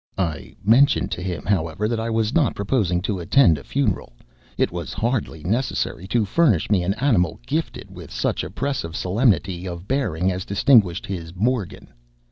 I mentioned to him, however, that I was not proposing to attend a funeral; it was hardly necessary to furnish me an animal gifted with such oppressive solemnity of bearing as distinguished his "Morgan."